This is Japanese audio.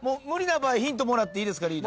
無理な場合ヒントもらっていいですか？